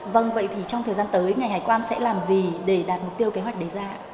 vâng vậy thì trong thời gian tới ngành hải quan sẽ làm gì để đạt mục tiêu kế hoạch đề ra